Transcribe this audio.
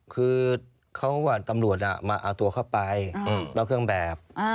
คือตำรวจมาเอาตัวเข้าไปนอกเครื่องแบบ